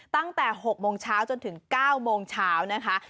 ตั้งแต่๖โมงเช้าจนถึง๙โมงเช้านะคะ